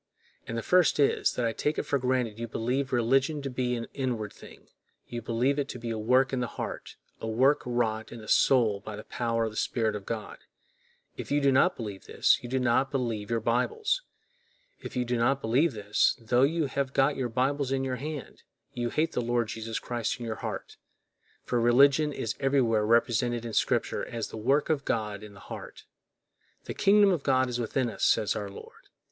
And the first is, that I take it for granted you believe religion to be an inward thing; you believe it to be a work in the heart, a work wrought in the soul by the power of the Spirit of God. If you do not believe this, you do not believe your Bibles. If you do not believe this, tho you have got your Bibles in your hand, you hate the Lord Jesus Christ in your heart; for religion is everywhere represented in Scripture as the work of God in the heart. "The kingdom of God is within us," says our Lord!